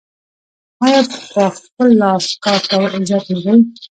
آیا په خپل لاس کار کول عزت نه دی؟